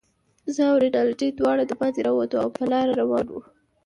زه او رینالډي دواړه دباندې راووتو، او په لاره روان شوو.